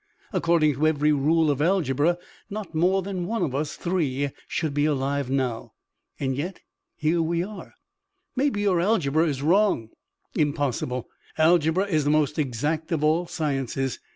According to every rule of algebra, not more than one of us three should be alive now. Yet here we are." "Maybe your algebra is wrong?" "Impossible. Algebra is the most exact of all sciences.